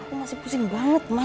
aku masih pusing banget